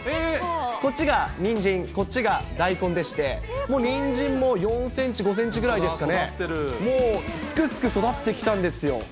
こっちがニンジン、こっちが大根でして、もうニンジンも４センチ、５センチぐらいですかね、もうすくすく育ってきたんですよ。